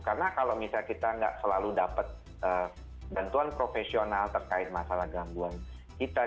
karena kalau misalnya kita nggak selalu dapat bentuan profesional terkait masalah gangguan kita